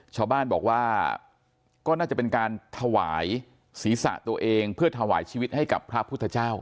ชาวบ้านบอกว่าก็น่าจะเป็นการถวายศีรษะตัวเองเพื่อถวายชีวิตให้กับพระพุทธเจ้า